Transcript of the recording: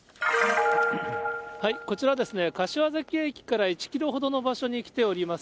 こちら、柏崎駅から１キロほどの場所に来ております。